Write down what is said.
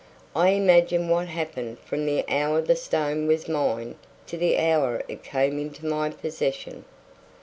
I imagine what happened from the hour the stone was mined to the hour it came into my possession.